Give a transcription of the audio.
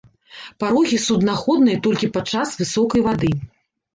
Парогі суднаходныя толькі пад час высокай вады.